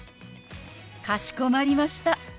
かしこまりました。